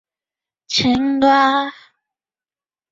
丈夫为查济民次子查懋成。